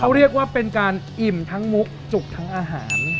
เขาเรียกว่าเป็นการอิ่มทั้งมุกจุกทั้งอาหาร